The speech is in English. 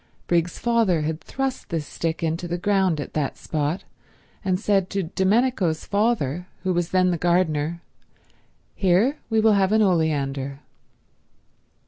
Briggs's father had thrust this stick into the ground at that spot, and said to Domenico's father, who was then the gardener, "Here we will have an oleander."